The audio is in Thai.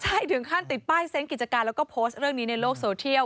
ใช่ถึงขั้นติดป้ายเซนต์กิจการแล้วก็โพสต์เรื่องนี้ในโลกโซเทียล